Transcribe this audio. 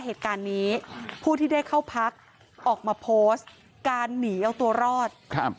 เหตุการณ์นี้ผู้ที่ได้เข้าพักออกมาโพสต์การหนีเอาตัวรอดครับ